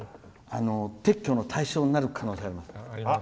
撤去の対象になる可能性があります。